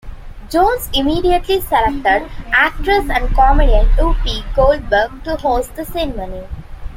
Jones immediately selected actress and comedian Whoopi Goldberg to host the ceremony.